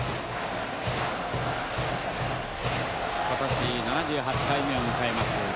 今年７８回目を迎えます